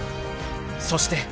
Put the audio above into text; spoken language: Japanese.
［そして］